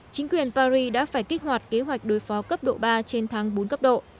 chính quyền paris đã phải kích hoạt kế hoạch đối phó cấp độ ba trên tháng bốn cấp độ